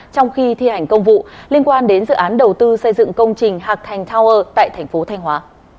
trong khi thi hành công vụ liên quan đến dự án đầu tư xây dựng công trình hạc thành tower tại thành phố thanh hóa